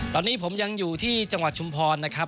ตอนนี้ผมยังอยู่ที่จังหวัดชุมพรนะครับ